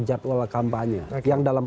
jadwal kampanye yang dalam